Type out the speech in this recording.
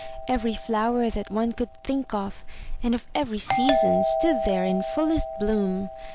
Every flower that one could think of, and of every season, stood there in fullest bloom.